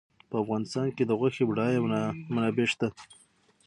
په افغانستان کې د غوښې بډایه منابع شته.